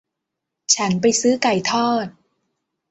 ฉันไปซื้อไก่ทอด